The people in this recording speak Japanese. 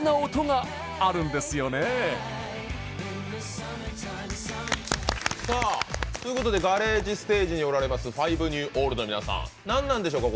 このさあということでガレージステージにおられますＦＩＶＥＮＥＷＯＬＤの皆さん何なんでしょうか？